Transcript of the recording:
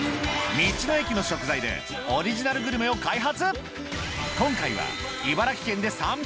道の駅の食材でオリジナルグルメを開発！